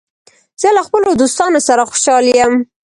زه له خپلو دوستانو سره خوشحال یم.